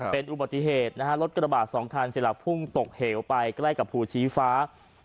เป็นอุบัติเหตุนะฮะรถกระบาด๒คันเสียหลักพุ่งตกเหวไปใกล้กับภูชีฟ้า